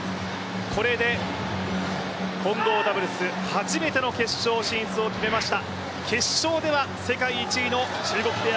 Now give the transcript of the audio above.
これで混合ダブルス初めての決勝進出を決めました。